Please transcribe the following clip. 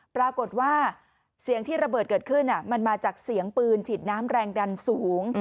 ปรากฏว่าเสียงที่ระเบิดเกิดขึ้นมันมาจากเสียงปืนฉีดน้ำแรงดันสูง